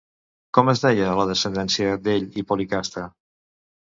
Com es deia la descendència d'ell i Policasta?